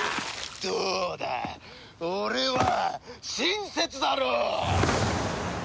どうだ俺は親切だろう！